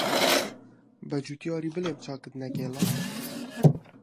بەجوتیاری بڵێم چاکت نەکێڵا